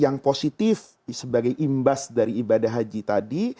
yang positif sebagai imbas dari ibadah haji tadi